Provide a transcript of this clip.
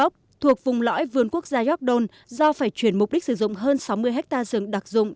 thuộc vùng lõi vườn quốc gia york don do phải chuyển mục đích sử dụng hơn sáu mươi ha rừng đặc dụng